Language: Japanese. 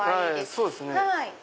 そうですね。